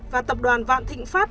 và tập đoàn vạn thịnh pháp